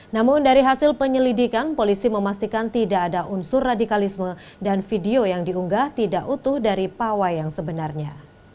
namun dari hasil penyelidikan polisi memastikan tidak ada unsur radikalisme dan video yang diunggah tidak utuh dari pawai yang sebenarnya